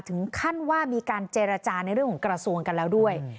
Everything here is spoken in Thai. ถึงขั้นว่ามีการเจรจาในเรื่องของกระทรวงกันแล้วด้วย